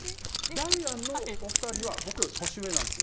ダイアンのお二人は僕より年上です。